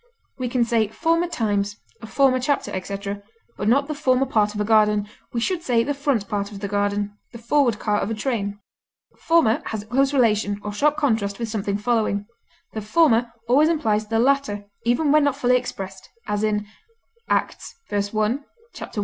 We can say former times, a former chapter, etc., but not the former part of a garden; we should say the front part of the garden, the forward car of a train. Former has a close relation, or sharp contrast, with something following; the former always implies the latter, even when not fully expressed, as in Acts i, 1, and _Eccles.